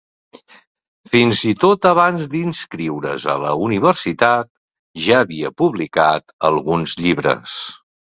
Fins i tot abans d'inscriure's a la universitat, ja havia publicat alguns llibres.